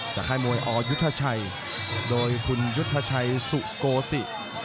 ค่ายมวยอยุทธชัยโดยคุณยุทธชัยสุโกศิ